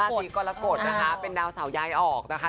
ศรีกรกฎนะคะเป็นดาวเสาย้ายออกนะคะ